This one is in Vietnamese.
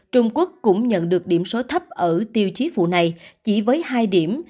trung quốc cũng nhận được điểm số thấp ở tiêu chí phụ này chỉ với hai điểm